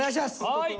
はい。